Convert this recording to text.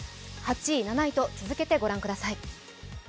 ８位、７位と続けて御覧ください。